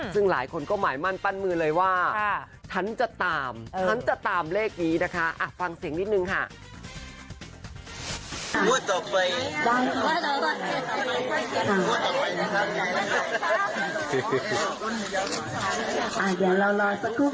ซึ่งหลายคนก็หมายมั่นปั้นมือเลยว่าฉันจะตามฉันจะตามเลขนี้นะคะฟังเสียงนิดนึงค่ะ